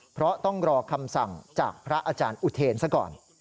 เพราะต้องรอคำสั่งจากพระอาจารย์อุเทนซะก่อน